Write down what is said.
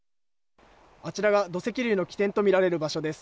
あちらが土石流の起点と見られる場所です。